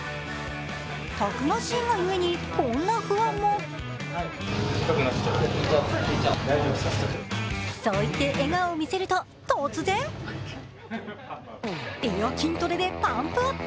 たくましいが故にこんな不安もそう言って笑顔を見せると、突然エア筋トレでパンプアップ。